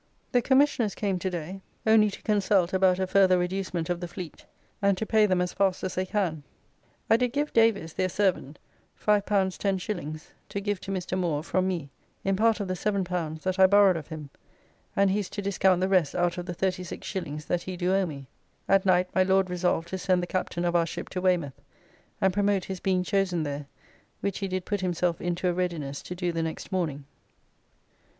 The Commissioners came to day, only to consult about a further reducement of the Fleet, and to pay them as fast as they can. I did give Davis, their servant, L5 10s. to give to Mr. Moore from me, in part of the L7 that I borrowed of him, and he is to discount the rest out of the 36s. that he do owe me. At night, my Lord resolved to send the Captain of our ship to Waymouth and promote his being chosen there, which he did put himself into a readiness to do the next morning.